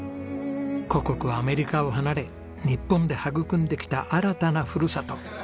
故国アメリカを離れ日本で育んできた新たなふるさと。